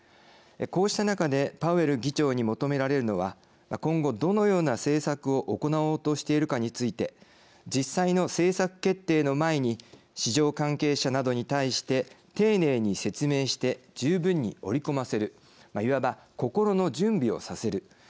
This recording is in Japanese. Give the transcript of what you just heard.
こうした中でパウエル議長に求められるのは今後どのような政策を行おうとしているかについて実際の政策決定の前に市場関係者などに対して丁寧に説明して十分に織り込ませるいわば心の準備をさせる。